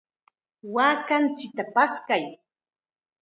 ¡Waakanchikta paskay!